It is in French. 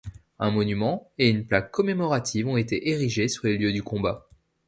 Un monument et une plaque commémorative ont été érigés sur les lieux du combat.